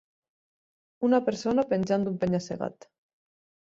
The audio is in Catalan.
Una persona penjant d'un penya-segat.